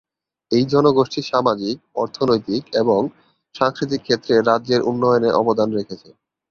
এই জনগোষ্ঠী সামাজিক, অর্থনৈতিক এবং সাংস্কৃতিক ক্ষেত্রে রাজ্যের উন্নয়নে অবদান রেখেছে।